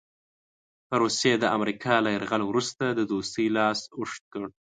روسیې د امریکا له یرغل وروسته د دوستۍ لاس اوږد کړ.